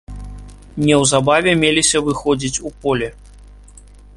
Неўзабаве меліся выходзіць у поле.